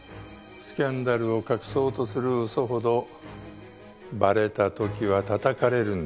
スキャンダルを隠そうとする嘘ほどバレた時はたたかれるんです。